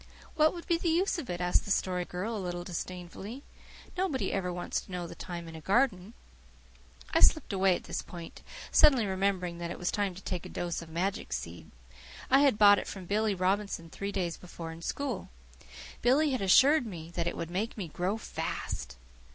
"What would be the use of it?" asked the Story Girl a little disdainfully. "Nobody ever wants to know the time in a garden." I slipped away at this point, suddenly remembering that it was time to take a dose of magic seed. I had bought it from Billy Robinson three days before in school. Billy had assured me that it would make me grow fast.